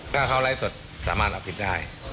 ก็เขาไร้ส่วนสามารถอภิกษ์ได้